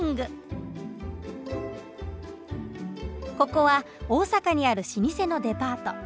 ここは大阪にある老舗のデパート。